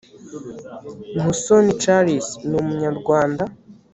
musoni charles ni umunyarwanda